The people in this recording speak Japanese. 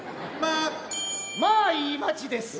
まあいい街です。